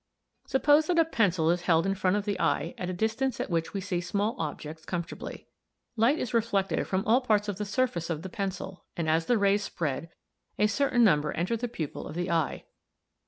"Suppose that a pencil is held in front of the eye at the distance at which we see small objects comfortably. Light is reflected from all parts of the surface of the pencil, and as the rays spread, a certain number enter the pupil of the eye.